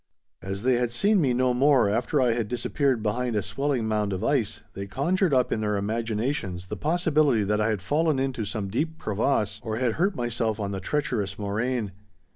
As they had seen me no more after I had disappeared behind a swelling mound of ice, they conjured up in their imaginations the possibility that I had fallen into some deep crevasse or had hurt myself on the treacherous moraine.